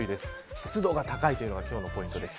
湿度が高いのが今日のポイントです。